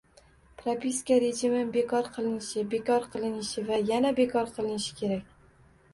Propiska rejimi bekor qilinishi, bekor qilinishi va yana bekor qilinishi kerak